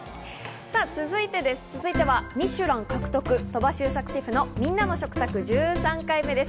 続いてはミシュラン獲得、鳥羽周作シェフのみんなの食卓１３回目です。